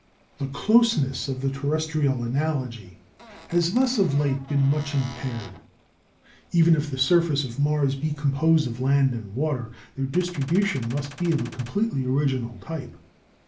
The closeness of the terrestrial analogy has thus of late been much impaired. Even if the surface of Mars be composed of land and water, their distribution must be of a completely original type.